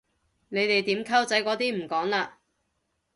你哋點溝仔嗰啲唔講嘞？